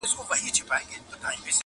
د باښو او د کارګانو هم نارې سوې-